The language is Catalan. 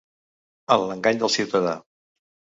En l’engany del ciutadà.